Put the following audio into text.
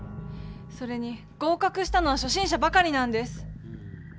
それに合かくしたのはしょ心者ばかりなんです。